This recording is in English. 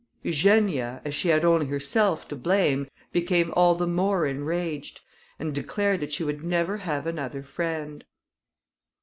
Eugenia, as she had only herself to blame, became all the more enraged, and declared that she would never have another friend.